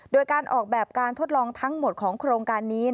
โดยการออกแบบการทดลองทั้งหมดของโครงการนี้